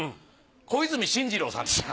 小泉進次郎さんでした。